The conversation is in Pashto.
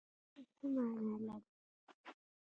نښان څه مانا لري؟